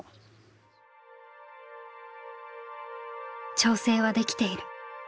「調整はできている。